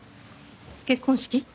結婚式？